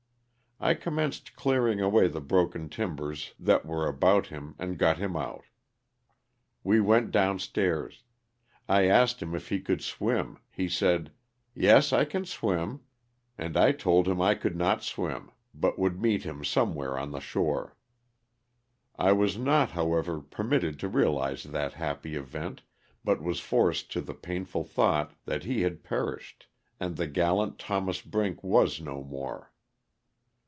I commenced clearing away the broken tim bers that were about him and got him out. We went down stairs ; I asked him if he could swim, he said, *'yes, I can swim," and I told him I could not swim, but would meet him somewhere on the shore. I was not, however, permitted to realize that happy event but was forced to the painful thought that he had perished, and the gallant Thos. Brink was no more.